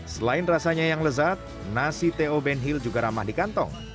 selain rasanya yang lezat nasi t o benhil juga ramah di kantong